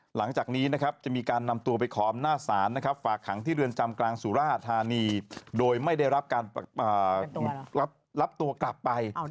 หลังจากนี้นะครับจะมีการนำตัวไปขออำนาจศาลนะครับฝากขังที่เรือนจำกลางสุราธารณีโดยไม่ได้รับตัวกลับไป